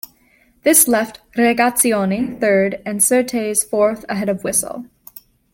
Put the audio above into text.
This left Regazzoni third and Surtees fourth ahead of Wisell.